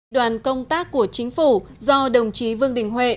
đoàn công tác của chính phủ do đồng chí vương đình huệ